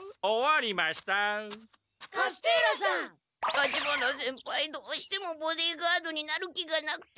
立花先輩どうしてもボディーガードになる気がなくて。